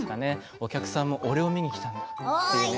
お客さんも俺を見に来たんだっていうね。